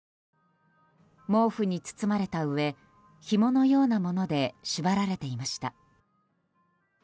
毛布に包まれたうえひものようなもので縛られていました。